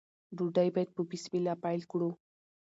ډوډۍ باید په بسم الله پیل کړو.